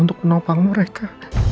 untuk menopang mereka